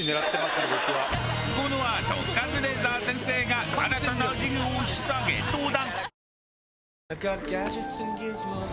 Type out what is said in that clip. このあとカズレーザー先生が新たな授業を引っ提げ登壇！